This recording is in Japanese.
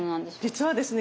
実はですね